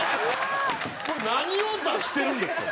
これ何を出してるんですか？